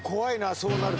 そうなると」